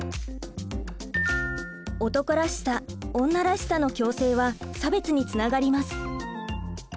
「男らしさ」「女らしさ」の強制は差別につながります。